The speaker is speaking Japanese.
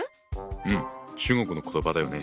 うん中国の言葉だよね。